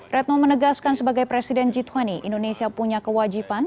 retno menegaskan sebagai presiden g dua puluh indonesia punya kewajiban